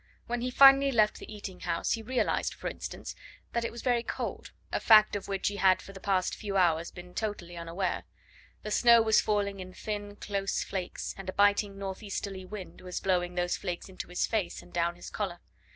When he finally left the eating house, he realised, for instance, that it was very cold a fact of which he had for the past few hours been totally unaware. The snow was falling in thin close flakes, and a biting north easterly wind was blowing those flakes into his face and down his collar.